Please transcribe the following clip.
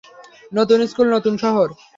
নতুন স্কুল, নতুন শহর।